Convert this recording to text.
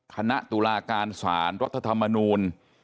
คณะตุลาการสารรัฐธรรมนูล